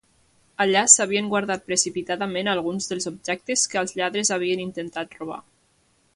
Allà s'havien guardat precipitadament alguns dels objectes que els lladres havien intentat robar.